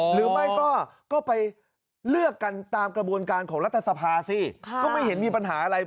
หรือไม่ก็ไปเลือกกันตามกระบวนการของรัฐสภาสิก็ไม่เห็นมีปัญหาอะไร